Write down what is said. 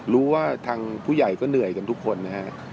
รู้ว่าทางผู้ใหญ่ก็เหนื่อยกันทุกคนนะฮะ